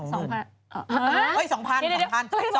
๒แพนเอ้าเอ้ย๒๐๐๐๒๐๐๐๒๐๐๐๒๐๐๐